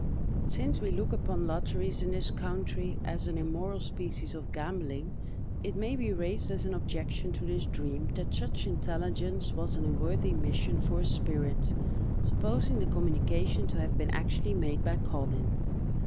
Since we look upon lotteries, in this country, as an immoral species of gambling, it may be raised as an objection to this dream, that such intelligence was an unworthy mission for a spirit, supposing the communication to have been actually made by Collin.